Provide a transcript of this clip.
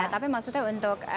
tapi maksudnya untuk